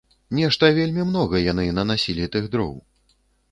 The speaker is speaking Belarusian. Нешта вельмі многа яны нанасілі тых дроў.